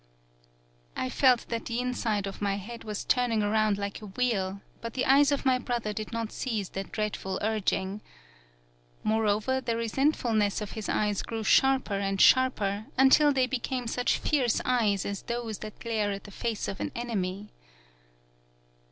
"I felt that the inside of my head was 26 TAKASE BUNE turning around like a wheel, but the eyes of my brother did not cease that dreadful urging. Moreover, the re sentfulness of his eyes grew sharper and sharper, until they became such fierce eyes as those that glare at the face of an enemy.